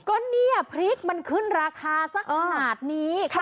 ก็เนี่ยพริกมันขึ้นราคาสักขนาดนี้